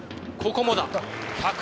ここもだ。